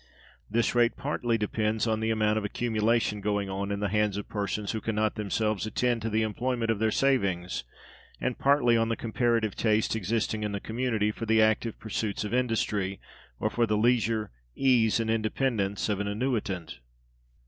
This rate partly depends on the amount of accumulation going on in the hands of persons who can not themselves attend to the employment of their savings, and partly on the comparative taste existing in the community for the active pursuits of industry, or for the leisure, ease, and independence of an annuitant.